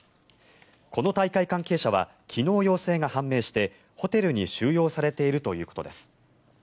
この大会関係者は昨日、陽性が判明してホテルに収容されているということです。